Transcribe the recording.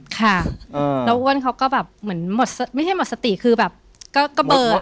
ค่ะแล้วอ้วนเขาก็แบบเหมือนหมดไม่ใช่หมดสติคือแบบก็ระเบิด